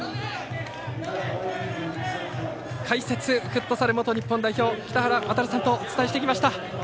解説、フットサル元日本代表北原亘さんとお伝えしてきました。